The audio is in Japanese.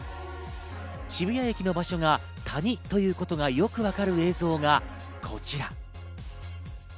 渋谷駅の場所が谷ということがよくわかる映像がこちら。